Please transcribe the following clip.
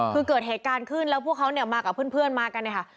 คือเกิดเหตุการณ์ขึ้นแล้วพวกเขาเนี่ยมากับเพื่อนมากันเนี่ยค่ะ